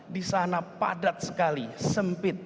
di sana padat sekali sempit